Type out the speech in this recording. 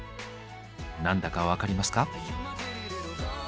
何だか分かりますか？